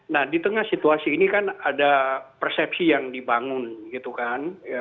nah di tengah situasi ini kan ada persepsi yang dibangun gitu kan